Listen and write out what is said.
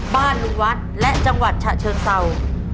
บ้านลุงวัดและจังหวัดฉะเชิงเศร้า